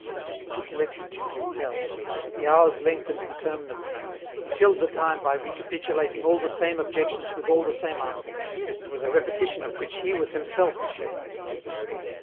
He took refuge in his cell ; the hours lengthened inter minably ; he killed the time by recapitulating all the same 206 EN ROUTE. objections with all the same answers. It was a repetition of which he was himself ashamed.